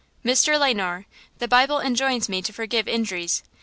"Mr. Le Noir, the Bible enjoins me to forgive injuries.